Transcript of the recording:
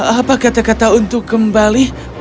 apa kata kata untuk kembali